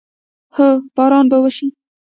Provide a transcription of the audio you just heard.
هو، باران به وشي